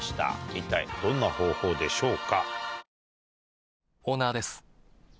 一体どんな方法でしょうか？